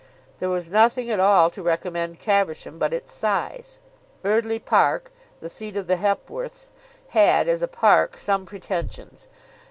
There was nothing at all to recommend Caversham but its size. Eardly Park, the seat of the Hepworths, had, as a park, some pretensions.